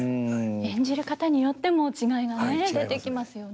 演じる方によっても違いがね出てきますよね。